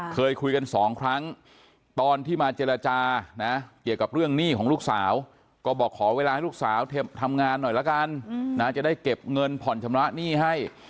เคยคุยกันสองครั้งตอนที่มาเจรจานะเกี่ยวกับเรื่องหนี้ของลูกสาวก็บอกขอเวลาให้ลูกสาวทำงานหน่อยละกันนะจะได้เก็บเงินผ่อนชำระหนี้ให้